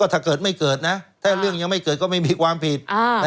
ถ้าเกิดไม่เกิดนะถ้าเรื่องยังไม่เกิดก็ไม่มีความผิด